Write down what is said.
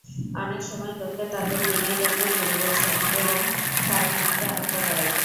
অনেক সময় লোকে তাঁদের বিনয়টাকে ভুল বোঝে এবং তাঁর মনকে আহত করে।